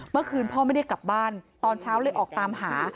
เมื่อคืนพ่อไม่ได้กลับบ้านตอนเช้าเลยออกตามหา